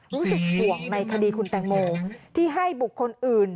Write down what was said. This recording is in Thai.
รู้สึกห่วงในคดีคุณแตงโมที่ให้บุคคลอื่น